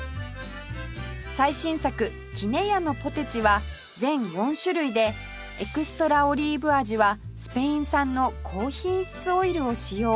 最新作杵屋のぽてちは全４種類でエクストラオリーブ味はスペイン産の高品質オイルを使用